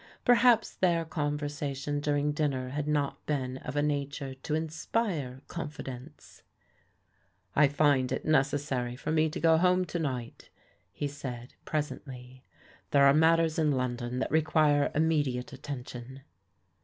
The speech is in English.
Perhaps their conversation during dinner had not been of a nature to inspire confidence. " I find it is necessary for me to go home to night," he said presently. " There are matters in London that re quire immediate attention."